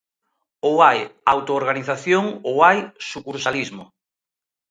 Ou hai autoorganización ou hai sucursalismo.